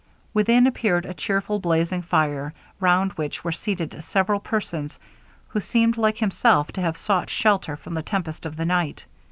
Within appeared a cheerful blazing fire, round which were seated several persons, who seemed like himself to have sought shelter from the tempest of the night.